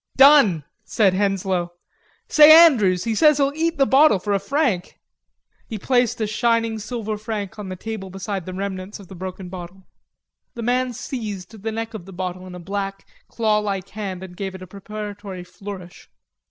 "Done," said Henslowe. "Say, Andrews, he says he'll eat the bottle for a franc." He placed a shining silver franc on the table beside the remnants of the broken bottle. The man seized the neck of the bottle in a black, claw like hand and gave it a preparatory flourish.